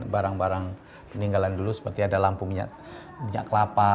barang barang peninggalan dulu seperti ada lampu minyak kelapa